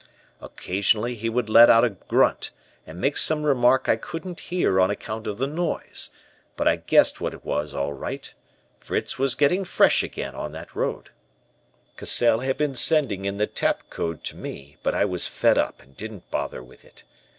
Occasionally he would let out a grunt, and make some remark I couldn't hear on account of the noise, but I guessed what it was all right. Fritz was getting fresh again on that road. "Cassell had been sending in the 'tap code' to me, but I was fed up and didn't bother with it.